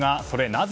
なぜ